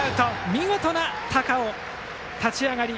見事な高尾の立ち上がり。